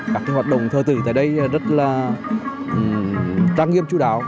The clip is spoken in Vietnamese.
các hoạt động thơ tử tại đây rất là trang nghiệm chú đáo